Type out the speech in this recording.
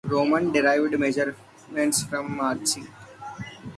Romans derived measurements from marching.